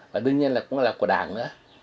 và đương nhiên là cũng là của đảng nữa